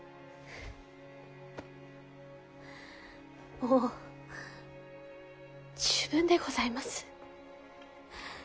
もう十分でございます。